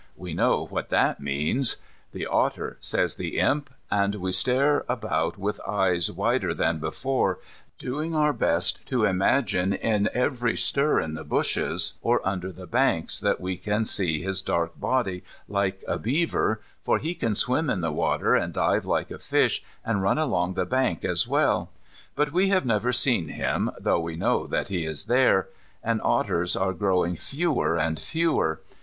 We know what that means, "The otter," says the Imp, and we stare about with eyes wider than before, doing our best to imagine in very stir in the bushes or under the banks that we can see his dark body, like a beaver, for he can swim in the water and dive like a fish, and run along the bank as well. But we have never seen him, though we know that he is there. And otters are growing fewer and fewer.